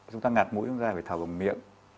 chúng ta ngạt mũi chúng ta phải thảo bằng miệng